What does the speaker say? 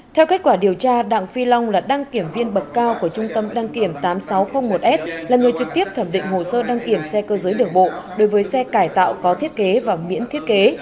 theo kết quả điều tra đặng phi long là đăng kiểm viên bậc cao của trung tâm đăng kiểm tám nghìn sáu trăm linh một s là người trực tiếp thẩm định hồ sơ đăng kiểm xe cơ giới đường bộ đối với xe cải tạo có thiết kế và miễn thiết kế